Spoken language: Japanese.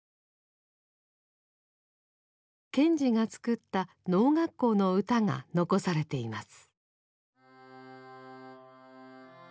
賢治が作った農学校の歌が残されています。